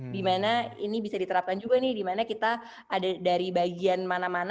dimana ini bisa diterapkan juga nih dimana kita ada dari bagian mana mana